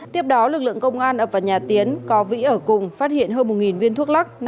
tiếp đó lực lượng công an ập vào nhà tiến có vĩ ở cùng phát hiện hơn một viên thuốc lắc